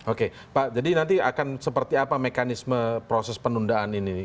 oke pak jadi nanti akan seperti apa mekanisme proses penundaan ini